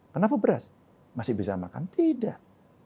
kenapa beras masih bisa makan tidak